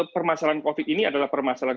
permasalahan covid ini adalah permasalahan